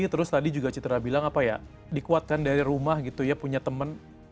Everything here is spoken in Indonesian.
terus tadi juga citra bilang apa ya dikuatkan dari rumah gitu ya punya teman